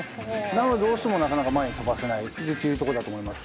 なので、どうしてもなかなか前に飛ばせない。